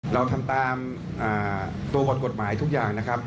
เราทำตามตัวบทกฎหมายทุกอย่างนะครับ